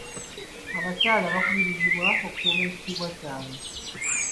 Abakyala bakubirizibwa okukuuma ekitiibwa kyabwe.